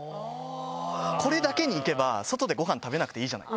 これだけに行けば、外でごはん食べなくていいじゃない。